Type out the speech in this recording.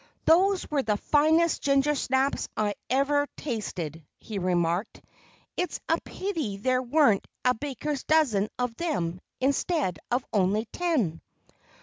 "Those were the finest gingersnaps I ever tasted," he remarked. "It's a pity there weren't a baker's dozen of them, instead of only ten."